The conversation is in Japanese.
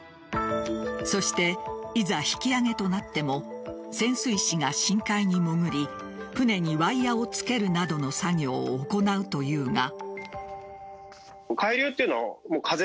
そして、いざ引き揚げとなっても潜水士が深海に潜り船にワイヤーを付けるなどの作業を行うというが。